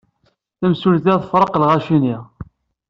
Tamsulta tefreq lɣaci-nni.